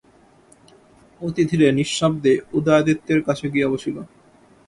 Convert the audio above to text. অতি ধীরে নিঃশব্দে উদয়াদিত্যের কাছে গিয়া বসিল।